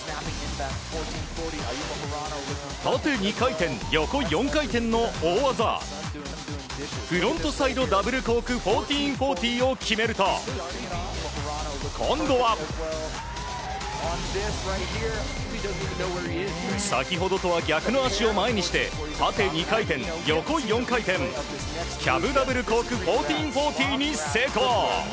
縦２回転、横４回転の大技フロントサイドダブルコーク１４４０を決めると今度は、先ほどとは逆の足を前にして縦２回転、横４回転キャブダブルコーク１４４０に成功。